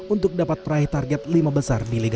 untuk dapat peraih target lima besar di liga satu